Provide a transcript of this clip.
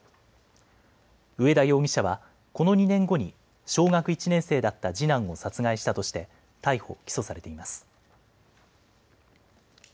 上田容疑者はこの２年後に小学１年生だった次男を殺害したとして逮捕、起訴されています。